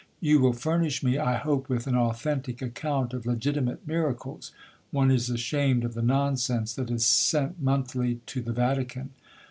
—you will furnish me, I hope, with an authentic account of legitimate miracles—one is ashamed of the nonsense that is sent monthly to the Vatican.'